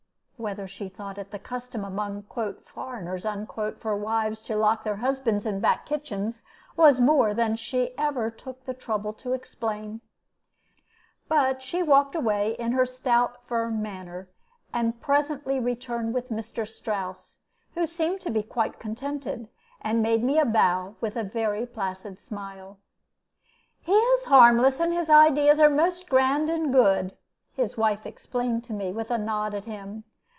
Whether she thought it the custom among "foreigners" for wives to lock their husbands in back kitchens was more than she ever took the trouble to explain. But she walked away, in her stout, firm manner, and presently returned with Mr. Strouss, who seemed to be quite contented, and made me a bow with a very placid smile. "He is harmless; his ideas are most grand and good," his wife explained to me, with a nod at him.